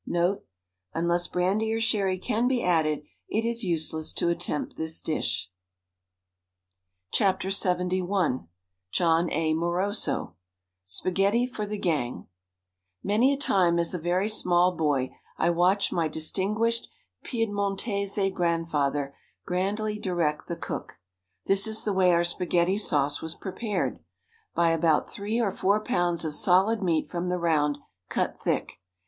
'''Note: Unless brandy or sherry can be added it is use less to attempt this dish. THE STAG COOK BOOK LXXI John A, Moroso SPAGHETTI FOR THE GANG Many a time as a very small boy I watched my distin guished Piedmontese grandfather grandly direct the cook. This is the way our spaghetti sauce was prepared. Buy about three or four pounds of solid meat from the round, cut thick.